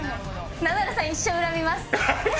ナダルさん一生恨みます。